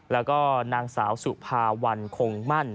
แล้วก็นางสาวสุภาวันคงมั่น